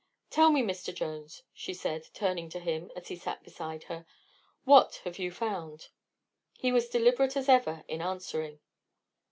"Tell me, Mr. Jones," she said, turning to him as he sat beside her; "what have you found?" He was deliberate as ever in answering.